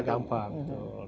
gak gampang betul